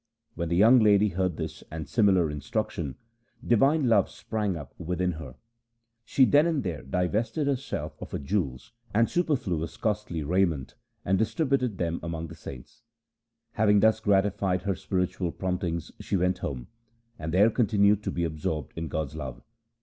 When the young lady heard this and similar instruction, divine love sprang up within her. She then and there divested herself of her jewels and superfluous costly raiment, and distributed them among the saints. Having thus gratified her spiritual promptings she went home, and there con tinued to be absorbed in God's love.